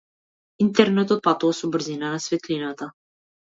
Интернетот патува со брзина на светлината.